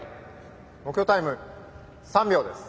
目標タイム３秒です。